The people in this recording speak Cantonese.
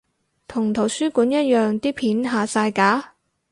同圖書館一樣啲片下晒架？